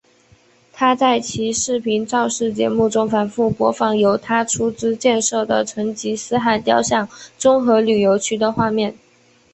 他在其视频造势节目中反复播放由他出资建设的成吉思汗雕像综合旅游区的画面。